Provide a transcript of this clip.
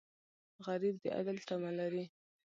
غریب د عدل تمه لري